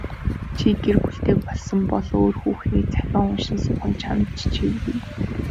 Чи гэр бүлтэй болсон бол өөр хүүхний захиа уншин суух нь чамд ч эвгүй.